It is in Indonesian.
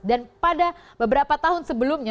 dan pada beberapa tahun sebelumnya